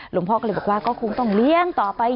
พ่อก็เลยบอกว่าก็คงต้องเลี้ยงต่อไป